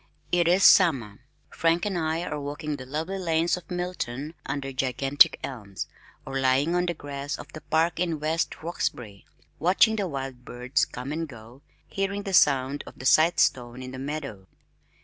It is summer, Frank and I are walking the lovely lanes of Milton under gigantic elms, or lying on the grass of the park in West Roxbury, watching the wild birds come and go, hearing the sound of the scythestone in the meadow.